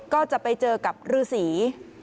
ก็จะไปเจอกับฤษี